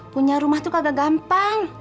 punya rumah itu kagak gampang